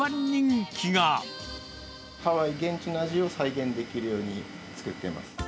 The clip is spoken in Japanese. ハワイ、現地の味を再現できるように作ってます。